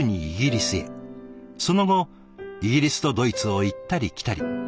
その後イギリスとドイツを行ったり来たり。